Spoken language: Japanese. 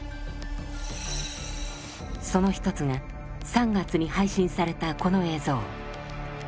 その１つが３月に配信されたこの映像。